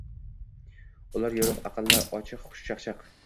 Ular yorugʻ, aqlli, ochiq, xushchaqchaq.